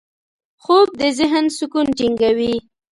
خوب د ذهن سکون ټینګوي